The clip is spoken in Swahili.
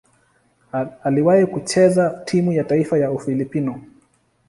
Aliwahi kucheza timu ya taifa ya Ufilipino.